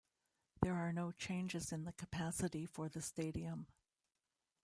There are no changes in the capacity for the stadium.